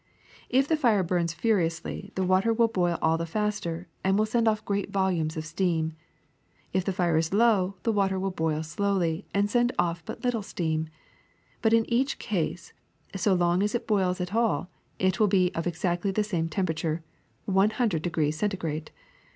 If the fire burns furiously the water will boil all the faster and will send off great volumes of steam ; if the fire is low the water will boil slowly and send off but little steam; but in each case, so long as it boils at all, it will be of exactly the same temperature — one hundred de grees centigrade.